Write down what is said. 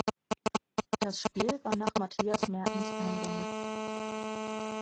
Das Spiel war nach Mathias Mertens eingängig.